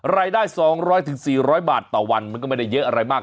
รายได้๒๐๐๔๐๐บาทต่อวันมันก็ไม่ได้เยอะอะไรมาก